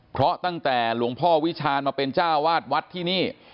เพราะตั้งแต่หลวงพ่อวิชาญมาเป็นเจ้าวาดวัดที่นี่